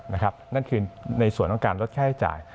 นั่นคือในส่วนของการลดค่าใช้จ่าย